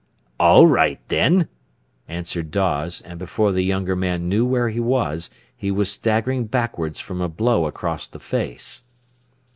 "All right, then," answered Dawes, and before the younger man knew where he was, he was staggering backwards from a blow across the face.